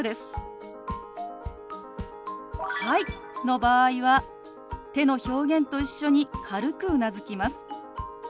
「はい」の場合は手の表現と一緒に軽くうなずきます。